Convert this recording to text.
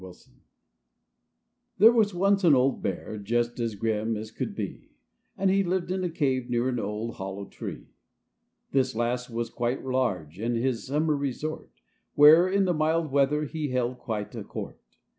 T HERE was once an old Bear just as grim as could be, And he lived in a cave near an old hollow tree ; This last was quite large, and his summer resort, Where, in the mild weather, he held quite a court.